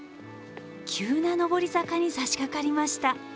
急な上り坂にさしかかりました。